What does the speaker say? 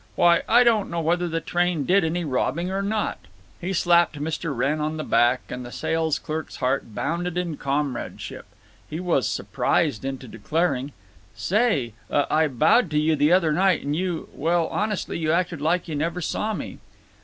… Why, I don't know whether the train did any robbing or not!" He slapped Mr. Wrenn on the back, and the sales clerk's heart bounded in comradeship. He was surprised into declaring: "Say—uh—I bowed to you the other night and you—well, honestly, you acted like you never saw me."